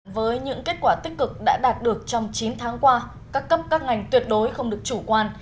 với những kết quả tích cực đã đạt được trong chín tháng qua các cấp các ngành tuyệt đối không được chủ quan